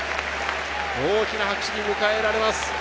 大きな拍手に迎えられます。